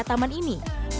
tapi di taman ini